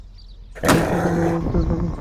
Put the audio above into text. ওহ, তাহলে আমাদের এটা দেখাও!